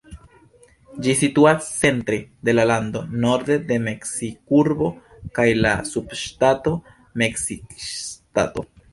Ĝi situas centre de la lando, norde de Meksikurbo kaj la subŝtato Meksikŝtato.